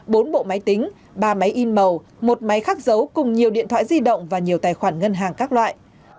bốn bộ máy tính ba máy in màu một máy khắc dấu cùng nhiều điện thoại di động và nhiều tài khoản ngân hàng các loại